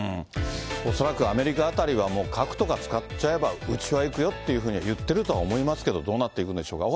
恐らくアメリカあたりは、もう核とか使っちゃえば、うちはいくよっていうふうに言ってるとは思いますけど、どうなっていくんでしょうか。